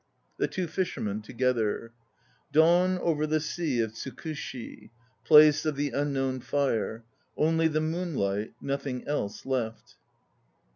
THE TWO FISHERMEN (together). Dawn over the Sea of Tsukushi, Place of the Unknown Fire. Only the moonlight nothing else left!